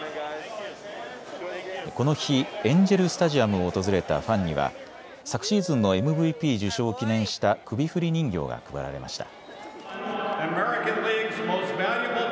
この日、エンジェルスタジアムを訪れたファンには昨シーズンのＭＶＰ受賞を記念した首振り人形が配られました。